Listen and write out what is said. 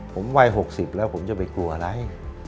ผมวัย๖๐แล้วผมจะไปกลัวอะไร